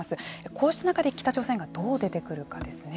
こうした中で北朝鮮がどう出てくるかですね。